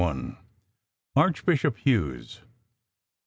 Archbishop Hughes.